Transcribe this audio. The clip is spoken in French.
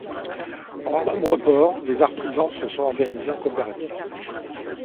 Dans de nombreux ports, les artisans se sont organisés en coopératives.